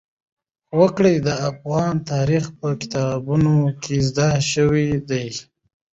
وګړي د افغان تاریخ په کتابونو کې ذکر شوی دي.